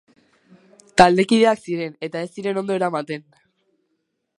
Taldekideak ziren eta ez ziren ondo eramaten.